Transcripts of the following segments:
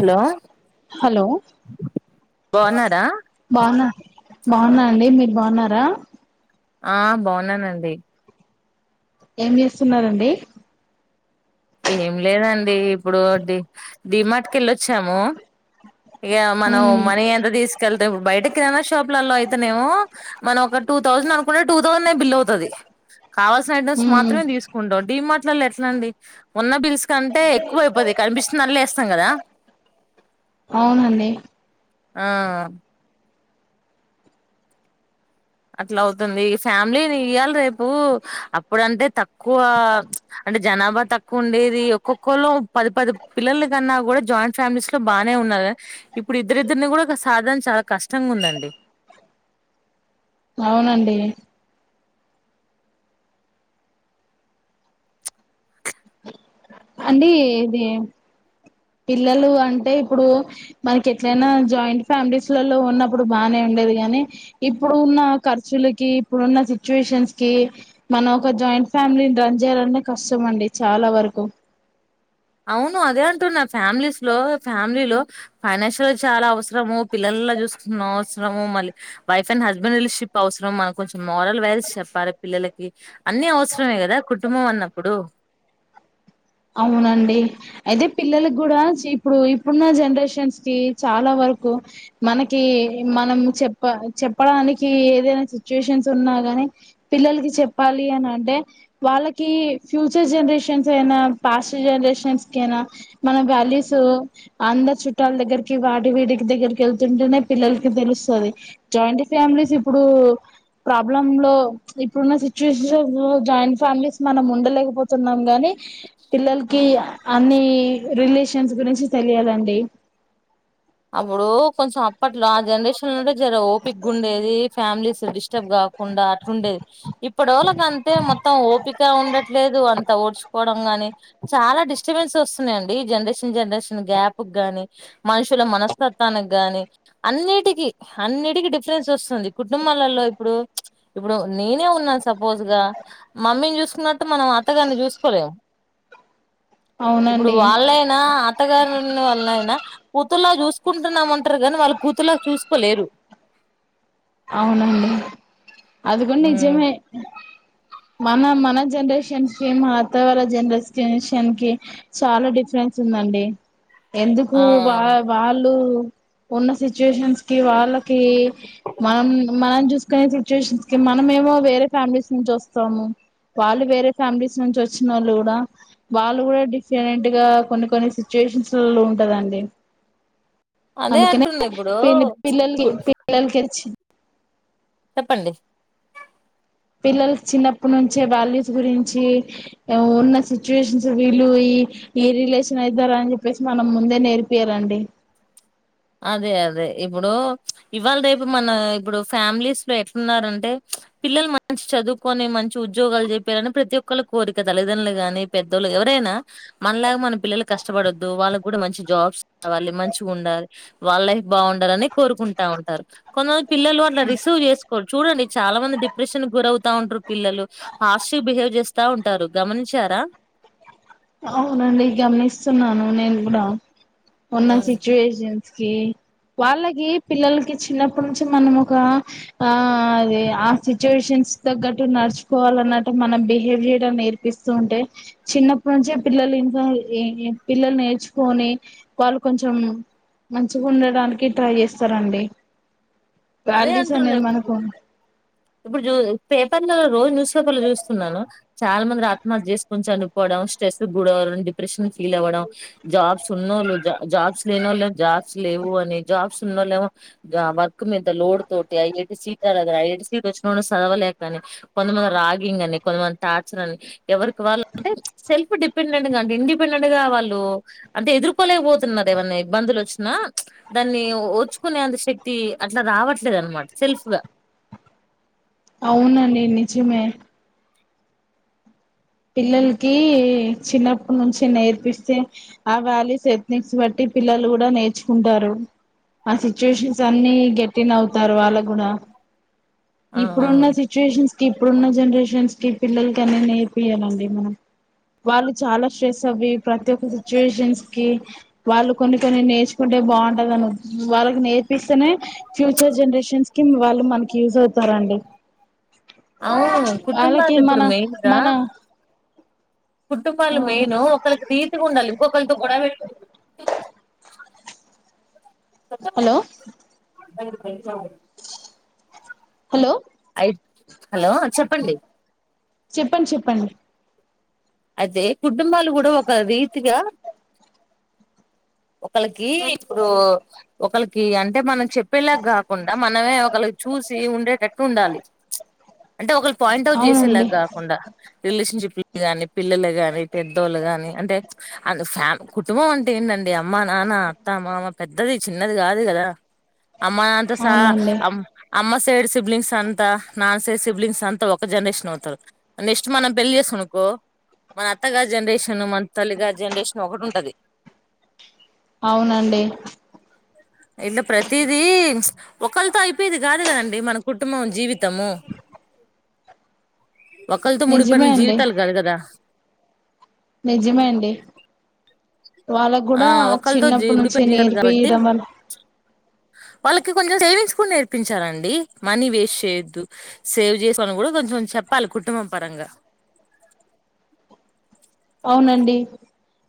Hello hello బాగున్నారా బాగున్నా బాగున్నా అండి మీరు బాగున్నారా ఆ బాగున్నానండి ఏం చేస్తున్నారండి ఏం లేదండి. ఇప్పుడు డి డి మార్ట్ కి వెళ్ళొచ్చాము. ఇక మనం ఉమ్ మనీ ఎంత తీసుకెళ్తే, బయట కిరాణా షాపులలో, అయితేనేమో, మనం ఒక టూ థౌజండ్ అనుకుంటే, టూ తోసండే బిల్ అవుతది. కావల్సిన ఐటమ్స్ ఉమ్ మాత్రమే తీసుకుంటాం. డి మార్ట్ ఎట్లా అండి మొత్తం పిలిస్ కంటే ఎక్కువ అయిపోది కనిపిస్తున్ దాంట్లో వేస్తారా అవునండి ఆ అట్లా అవుతుంది. ఇగ ఫ్యామిలీని ఇయ్యాల రేపు అప్పుడంటే తక్కువ. అంటే జనాభా తక్కువ ఉండేది. ఒక్కొక్కళ్ళ పది పది పిల్లల కన్నా, కూడా జాయింట్ ఫ్యామిలీస్ లో, బాగానే ఉన్నారు. ఇప్పుడు ఇద్దరిద్దరిని కూడా ఒక సాధనం చాలా కష్టంగా ఉందండి. అవునండి అండి ఇది పిల్లలు అంటే ఇప్పుడు మనకి ఎట్లయినా, జాయింట్ ఫ్యామిలీస్ లల్లో, ఉన్నప్పుడు బాగానే ఉండేది గానీ, ఇప్పుడు ఉన్న ఖర్చులకి, ఇప్పుడున్న సిచ్యుయేషన్స్ కి, మనం ఒక జాయింట్ ఫ్యామిలీని రన్ చేయాల అంటే కష్టం. అండి చాలా వరకు అవును అదే అంటున్న. ఫ్యామిలీస్ లో ఫ్యామిలీలో ఫైనాన్షియల్ చాలా అవసరము. పిల్లల్లో చూసుకున్న అవసరము. మళ్ళీ వైఫ్ అండ్ హస్బెండ్ రిలేషన్షిప్ అవసరం. మనకు కొంచెం మోరల్ వాల్యూస్ చెప్పాలి పిల్లలకి. అన్ని అవసరమే కదా కుటుంబం. అన్నప్పుడు అవునండి అయితే పిల్లలకి కూడా, ఇప్పుడు ఇప్పుడున్న జనరేషన్స్ కి చాలా వరకు, మనకి మనం చెప్ప చెప్పడానికి ఏదైనా సిచ్యుయేషన్స్ ఉన్నా గాని, పిల్లలకి చెప్పాలి అని అంటే, వాళ్ళకి ఫ్యూచర్ జనరేషన్స్ అయినా పాస్ట్ జనరేషన్స్ కయినా, మన వాల్యూస్ అందరి చుట్టాల దగ్గరికి, వాటి వీడికి దగ్గరికి వెళ్తుంటేనే, పిల్లలకి తెలుస్తుంది. జాయింట్ ఫ్యామిలీస్ ఇప్పుడు ప్రాబ్లమ్ లో ఇప్పుడున్న సిచ్యువేషన్ జాయింట్ ఫ్యామిలీస్ మనం ఉండలేకపోతున్నాం గానీ, పిల్లలకి అన్ని రిలేషన్స్ గురించి తెలియాలండి. ఎప్పుడో కొంచం అప్పట్ల ఆ జనరేషన నే జర ఓపికా ఉండేది. ఫ్యామిలీ స్టడీస్ కాకుండా అట్లుండేది. ఇప్పుడ వాళ్ళకి అంతే మొత్తం ఓపిక ఉండట్లేదు. అంత ఓర్చుకోవడంగాని చాలా డిస్టర్బెన్స్ వస్తున్నాయండి. జనరేషన్ జనరేషన్ గ్యాప్ కి కానీ, మనుషు వీళ్ళ మనస్తత్వానికి గాని, అన్నిటికి అన్నిటికి డిఫరెన్స్ వస్తుంది. కుటుంబాలలో ఇప్పుడు ఇప్పుడు నేనే ఉన్నాను సపోజ్ గా మమ్మీని చూసుకున్నట్టు మనం అత్తగారిని చూసుకోలేము ఇప్పుడు అవునండి వాళ్ళైనా అత్తగారోలైనా అలా చూసుకుంటున్నామంటారు కాని, కూతురిల్లా వాళ్ళచూసుకోలేరు. అవునండి అది కూడా నిజమే మన మన జనరేషన్ కి, మన అత్త వాళ్ళ జనరేషన్స్ కి చాలా డిఫరెన్స్ ఉందండి. ఎందుకు ఆ వా వాళ్ళు ఉన్న సిచ్యుయేషన్స్ కి వాళ్ళకి మనం మనం చూసుకునే సిచ్యుయేషన్స్ కి, మనం ఏ మో వేరే ఫ్యామిలీస్ నుంచి వస్తాము. వాళ్ళు వేరే ఫ్యామిలీస్ నుంచి వచ్చిన, వాళ్ళు కూడా వాళ్ళు కూడా డిఫరెంట్ గా, కొన్ని కొన్ని సిచ్యుయేషన్స్ లో ఉంటదండి. అదే అందుకనే అంటున్న ఇప్పుడు పిల్లలకి పిల్లలకి చెప్పండి పిల్లలు చిన్నప్పటి నుంచే వాల్యూస్ గురించి, ఉన్న సిచ్యువేషన్స్ వీళ్ళు ఈ ఏ రిలేషన్ అయిద్దారా? అని చెప్పేసి మనం ముందే నేర్పియాలండి. అదే అదే ఇప్పుడు ఇవాళ రేపు, మన ఇప్పుడు ఫ్యామిలీస్ లో, ఎట్లున్నారంటే, పిల్లలు మంచి చదువుకొని మంచి ఉద్యోగాలు చెప్పారని, ప్రతి ఒక్కళ కోరిక. తల్లిదండ్రులు గాని పెద్దోళ్ళ ఎవరైనా, మనలాగా, మన పిల్లలు కష్టపడద్దు. వాళ్ళకి కూడా మంచి జాబ్స్ కావాలి. మంచిగా ఉండాలి. వాళ్ళ లైఫ్ బాగుండాలని కోరుకుంటా ఉంటారు కొంతమంది పిల్లలు అట్లా రిసీవ్ చేసుకోరు చూడండి చాలా మంది డిప్రెషన్ గురవుతా ఉంటారు పిల్లలు హర్ష్ బిహేవ్ చేస్తా ఉంటారు గమనించారా అవునండి గమనిస్తున్నాను నేను [unintelligible] మోన్నా ఉమ్. సిట్యువేషన్ నిన్స్ కి వాళ్ళకి పిల్లలకి చిన్నప్పటి నుంచి మనం ఒక ఆ అది ఆ సిచ్యువేషన్స్ తగ్గట్టు నడుచుకోవాలన్నట్టు మన బిహేవ్ చేయటం నేర్పిస్తూ ఉంటే చిన్నపు న్నప్పటి నుంచే పిల్లలు ఇంకా పిల్లలు నేర్చుకొని వాళ్ళు కొంచెం మంచిగుండడానికి ట్రై చేస్తారండి అదే వాల్యూస్ అంటుంది అనేది ఇప్పుడు మనకు ఇప్పుడు చు పే న్న రోజు న్యూస్ పేపర్ లో చూస్తున్నాను చాలా మంది ఆత్మహత్య చేసుకొని చనీపోవడం స్ట్రెస్ జాబ్స్ గుడ అవ్వడం డిప్రెషన్ ఫీల్ అవ్వడం జాబ్స్ ఉన్నోళ్ళ జాబ్స్ లేనోళ్లు జాబ్స్ లేవు అని జాబ్స్ ఉన్నోళ్ళమో జ వాల్ వర్క్ మీద లోడ్ తోటి అ హెడ్ సీట్ రాలేక అ సీట్ వచ్చిన చదవలేకని కొంతమంది రాగింగ్ అని కొంతమంది టార్చర్ అని ఎవరికి వాళ్ళు అంటే సెల్ఫ్ డిపెండెంట్ గా అంటే ఇండిపెండెంట్ గా వాళ్ళు అంటే ఎదుర్కోలేకపోతున్నారు ఏమైన్నా ఇబ్బందులు వచ్చినా దాన్ని ఓర్చుకునే అంత శక్తి అట్లా రావట్లేదు అనమాట సెల్ఫ్ గా అవునండి నిజమే పిల్లలకి చిన్నప్ప నుంచి నేర్పిస్తే ఆ వ్యాలుస్ ఎథీక్స్ బట్టి పిల్లలు కూడా నేర్చుకుంటారు ఆ సిచ్యుయేషన్స్ అన్ని గా గెట్టిన్ అవుతరు వాళ్ళు కూడా ఆ ఆ ఇప్పుడున్న సిట్యువేషన్స్ ఇప్పుడున్న జనరేషన్స్ కి పిల్లల కనే ఏం ఇప్పియ్యమండి మనం వాళ్ళు చాలా స్ట్రెస్ అవి ప్రతి ఒక్క సిచ్యువేషన్స్ కి వాళ్ళు కొన్ని కొన్ని నేర్చుకుంటే బాగుంటంది వాళ్ళకి నేర్ పిస్తనే ఫ్యూచర్ జనరేషన్స్ కి వాళ్ళు మనకి యూజ్ అవుతారండి అవును వాళ్ళకి కుటుంబాలు మన ఇప్పుడు మెయిన్గా మన కుటుంబాలు ఆ మెయిన్ ఒకళకి రీతిగా ఉండాలి ఇంకొకలితో గొడవ పెట్టు హలో హలో అయి హలో చెప్పండి చెప్పండి చెప్పండి అయితే కుటుంబాలు కూడా ఒక రీతిగా ఒకళకి ఇప్పుడు ఒకళకి అంటే మనం చెప్పేలా కాకుండా మనమే ఒకళకి చూసి ఉండేట టట్టు ఉండాలి అంటే ఒకళ్ళ పాయింట్ అవుట్ చేసే లా అవునండి గాకుండా రిలేషన్షిప్ కానీ పిల్లలే గాని పెద్దోళ్ళు గాని అంటే అ ఫ్యామి కుటుంబం అంటే ఏంటండి అమ్మ నాన్న అత్త మామ పెద్దది చిన్నది గాదు గదా అమ్మ అంత స అవునండి అమ్ అమ్మ నీ సైడ్ సిబ్లింగ్స్ అంతా నాన్ సైడ్ సిబ్లింగ్స్ అంతా ఒక జనరేషన్ అవుతారు నెక్స్ట్ మనం పెళ్లి చేసుకునమనుకో మన అత్తగారి జనరేషన్ ను మన తల్లిగారీ జనరేషన్ ఒకటి ఉంటది అవునండి ఇలా ప్రతిదీ ఒకలీతో అయిపోయేది కాదు కదండి మన కుటుంబం జీవితం త్తము ఒకళ్ళతో నిజమే ముడిపడిన జీవితాలు కాదు కదా నిజమండి వాళ్ళకు ఆ కూడా ఒకళతో జీ చిన్నప్పుటి నుంచే ముడిపడిన జీవితాలు కాబట్టి నేర్పియడం వ వాళ్ళకి కొంచెం సేవింగ్స్ కూడా నేర్పించాలండి. మనీ వేస్ట్ సేయద్దు సేవ్ చేసుకొ అని కూడా కొంచెం చెప్పాలి కుటుంబం పరంగా అవునండి.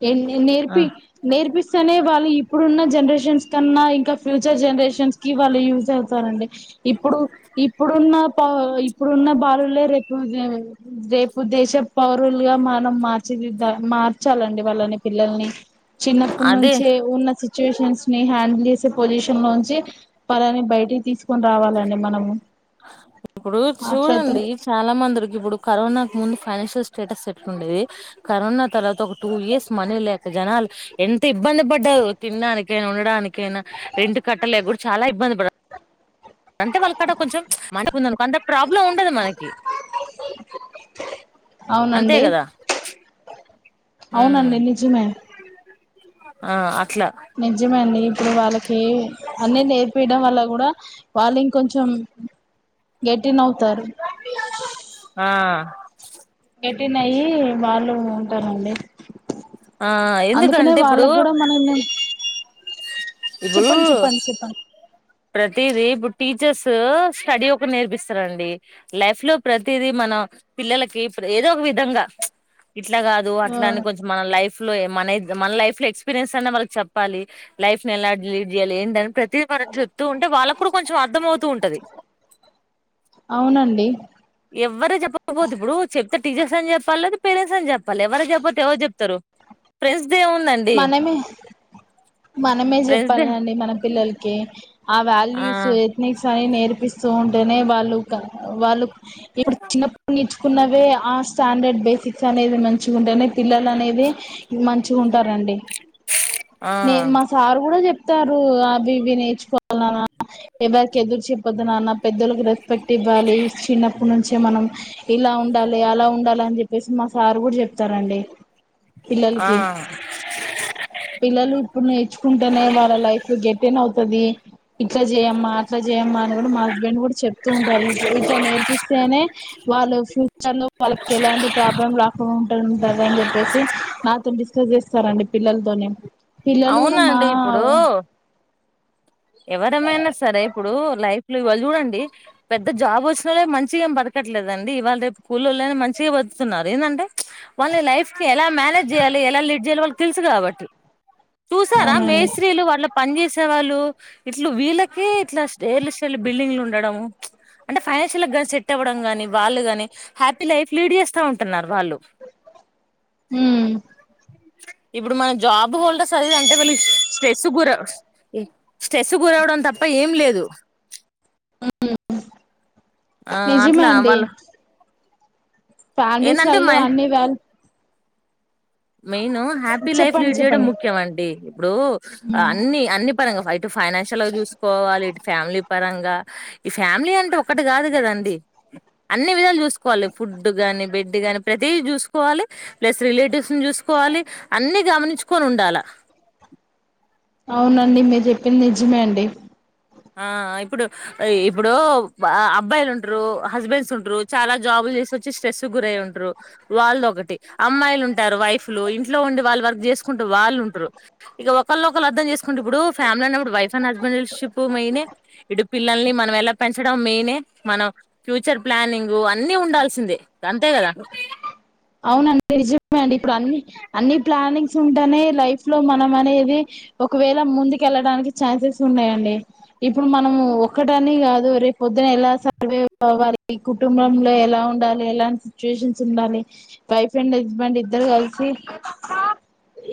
ఎం నే నేర్పి నేర్పిస్సేనే వాళ్ళు ఇప్పుడున్న జనరేషన్ న్ కన్నా ఇంకా ఫ్యూచర్ జనరేషన్స్ కి వాళ్ళు యూస్ అ తారండి. ఇప్పుడు ఇప్పుడున్న తాన్ ఇప్పుడున్న బాలులే రేపు రేపు దేశ పౌరులుగా మనం మార్ ర్చి దిద్దాలె మార్చాలండి వాళ్ళని పిల్లల్ని చిన్నప్పటి అదే నుంచే ఉన్న చి సిచ్యువేషన్స్ ని హ్యాండిల్ సే పొజిషన్ లోంచి వాళని బయటికి తీసుకొని రావాలండి మనము. ఇప్పుడు అట్లయితే చూడండి చాలా మందిరికి ఇప్పుడు కరోనా ముందు ఫైనాన్షియల్ స్టేటస్ ఎట్లండేది. కరోనా తర్వాత ఒక టూ ఇయర్స్ మనీ లేక జనాలు ఎంత ఇబ్బంది పడ్డారు. తినడానికే ఉండడానికైనా రెంట్ కట్టలేక కూడా చాలా ఇబ్బంది పడ్ అంటే వాళ్ళకాడ కొంచెం చ్చ్ మంట ఉందనుకో అంత ప్రాబ్లం ఉండదు మనకి. అంతే అవునండి. కదా ఉమ్ అవునండి నిజమే ఆ అ నిజమండి ఇప్పుడు వాళ్ళకి అన్నీ నేర్పియడం వల్ల కూడా వాళ్ళు ఇంకొంచెం గెటిన్ అవుతారు. ఆ గెటీన్ అయ్యి వాళ్ళు ఉంటారండి. ఆ అందుకనే ఎందుకంటే ఇప్పుడు వాళ్ళక్ కూడా మనం నే చెప్పండి చెప్పండి చెప్పం ప్రతిది ఇప్పుడు టీచర్స్ స్టడీ ఒకటి నేర్పిస్సరండి. లైఫ్ లో ప్రతిదీ మన పిల్లలకి ప్ర ఏదో ఒ విధంగా చ్చ్ ఇట్లా కాదు ఆ అట్లని కొంచం మన లైఫ్ ప్లొయ్ మనైద్ మన లైఫ్ లో ఎక్స్పీరియన్స్నా మనం చెప్పాలి. లైఫ్ని ఎలా లీడ్ చేయాలి. ఏందని ప్రతి మనం చె తూ ఉంటే వాళ్ళ కూడా కొంచెం అర్థం అవుతూ ఉంటది. అవునండి. ఎవ్వరూ చెప్పకపోతే ఇప్పుడు చెప్తే టీచర్స్ అని చెప్పాలి లేదా పేరెంట్స్ అని చెప్పాలి ఎవర చెప్పపోతే ఎవరు చెప్తారు. ఫ్రెండ్స్ దే ఉందండి మనమే మనమే ఫ్రెండ్స్ దే చెప్పాల్నండి. మన పిల్లలక్ కే ఆ ఆ వాల్యూస్ ఎథనిక్స్ అని నేర్పిస్ సో ఉంటేనే వాళ్ళు క వాళ్ళు ఇప్పుడు చిన్నప్పుడ్ నేర్చుకున్నవే ఆ స్టాండర్డ్ బేసిక్స్ అనేది మంచిగా ఉంటేనే పిల్లలు అనేది మ తరండి ఆ నేను మా సార్ కూడా చెప్ తారు అవి ఇవి నేర్చుకోవాల నానా ఎవరికి ఎదురు చెప్పాద్దు నాన్న పెద్దోళ్లకి రెస్పెక్ట్ ఇవ్వాలి చిన్నప్పటి నుంచే మనం ఇలా ఉండాలి అలా ఉండాలి అని చెప్పేసి మ సారు కూడా చెప్తారండి ఆ పిల్లలకి [inaudible] పిల్లలు ఇప్పుడ్ నేర్చుకుంటేనే వాళ్ళ లైఫ్ లో గెట్టిన్ అవుత తభీ ఇట్లా చేయ్యమ్మా అట్లా చెయ్యమ్మా అని కూడా మా హస్బెండ్ కూడా చెప్తూ ఉంటారు. ఇట్ల ఇట్లా నేర్పిస్తేనే వాళ్ళు ఫ్యూచర్ లో వాళ్ళకి ఎలాంటి ప్రాబ్లం రాకుంట ఉంటది అని చెప్పేసి నాతో డిస్కస్ చేస్తారండి పిల్లల్ [unintelligible] పిల్లలు కూడా మా అవునండి ఇప్పుడు ఎవరమైనా సరే ఇప్పుడు లై యిల్లు వళ్ళు చూడండి పెద్ద జాబ్ వచ్చినోళ్లే మంచిగా బతకట్లేదండి ఇవాల్ రేప్ కులోల్లెనా మంచిగా బతున్నారు ఏంటంటే వాళ్ళే లైఫ్ కి ఎలా మేనేజ్ చేయ్యాలి ఎలా లీడ్ చేయాలో వాళ్ళకి తెలుసు కాబట్టి చూసారా అవునండి మేస్త్రీలు వాళ్ళ పని చేేస్ రె వాళ్ళు ఇట్లు వీళ్ళకే ఇట్లా స్టేర్లు స్టెల్లు బిల్డింగ్లు ఉండడము అంటే ఫైనాన్షియల్గా సెట్ అవ్వడం గాని వాళ్ళు గాని హ్యాపీ లైఫ్ లీడ్ చేస్తా ఉంటన్నారు వాళ్ళు ఉమ్ ఇబ్బుడు మన జాబ్ హోల్డర్స్ చదివి ఎంత వెలిగిస్ స్ట్రెస్ గుర స్ట్రెస్ గురవడం తప్ప ఏం లేదు ఆ అట్లా వాళ్ళు ఫ్యామిలీస్ వాళ్ళు అన్ని వ్యల్ మెయిన్ హ్యాపీ లైఫ్ చెప్పండి లీడ్ చేయడం చెప్పండి ముఖ్యం అండి ఇప్పుడు అన్ని అన్ని పరంగా ఇటు ఫైనాన్షియల్ గా చూసుకోవాలి ఇటు ఫ్యామిలీ పరంగ్ గా ఈ ఫ్యామిలీ అంటే ఒకటి కాదు కదండి అన్ని విధాలు చూసుకోవాలి ఫుడ్ గానీ బెడ్ గాని ప్రతి చూసుకోవాలి ప్లస్ రిలేటివ్స్ చూసుకోవాలి అన్ని గమనించుకొని ఉండాల అవునండి మీరు చెప్పింది నిజమే అండి ఆ ఇప్పుడు ఇప్పుడు అబ్బాయిలు ఉంట్రూ హస్బెండ్స్ ఉంట్రూ చాలా జాబులు చేసి వచ్చి స్ట్రెస్ గురయి ఉంట్రూ వాళ్ళు ఒకటి అమ్మాయిలు ఉంటారు వైఫ్లు ఇంట్లో ఉండి వాళ్ళు వర్క్ చేసుకుంటూ వాళ్ళు ఉంటారు ఇక ఒకళ్ళ ఒకళ్ళు అర్ధం చేసుకుంటు ఇప్పుడు ఫ్యామిలీ అన్నప్పుడు వైఫ్ అండ్ హస్బెండ్ ష్ ప్పు మెయినే ఇటు పిల్లల్ని మనం ఎలా పెంచడం మెయినే మనం ఫ్యూచర్ ప్లానింగు అన్ని ఉండాల్సిందే అంతే కదా అవునండి నిజమే అండి ఇప్పుడు అన్ని అన్ని ప్లానింగ్స్ ఉంటేనే లైఫ్ లో మనం అనేది ఒకవేళ ముందుకెళ్ళడానికి ఛాన్సెస్ ఉన్నాయండి ఇప్పుడు మనం ఒక్కటని కాదు రేపు పొద్దున ఎలా సర్వైవ్ అవ్వాలి కుటుంబంలో ఎలా ఉండాలి ఎలాంటి సిచ్యువేషన్స్ ఉండాలి వైఫ్ అండ్ హస్బెండ్ ఇద్దరు కలిసి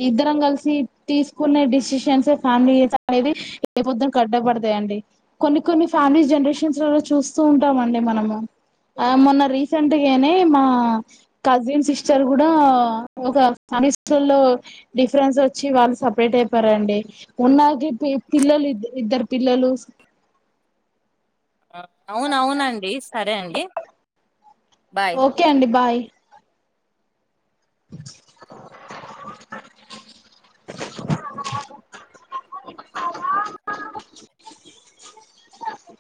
ఇద్దరం కలిసి తీసుకునే డెసిషన్స్యే ఫ్యామిలీ అనేది ఏ పొద్దున్కి కడ్డపడతాయంండి కొన్ని కొన్ని ఫ్యామిలీ జనరేషన్స్ లో చూస్తూ ఉంటామండి మనము మొన్న రీసెంట్గానే మా కజిన్ సిస్టర్ కూడా ఒక ఫ్యామిలీస్లో డిఫరెన్స్ వచ్చి వాళ్ళు సపరేట్ అయిపోయారండి ఉన్నాకి పి పిల్లలు ఇద్ ఇద్దరు పిల్లలు అవునవునండి సరే అండి బాయ్ ఓకే అండి బాయ్ అ